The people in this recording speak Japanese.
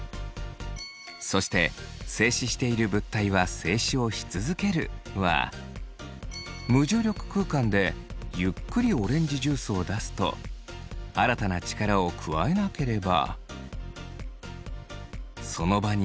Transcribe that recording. そして「静止している物体は静止をし続ける」は無重力空間でゆっくりオレンジジュースを出すと新たな力を加えなければその場に静止し続けます。